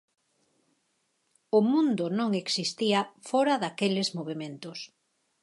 O mundo non existía fóra daqueles movementos.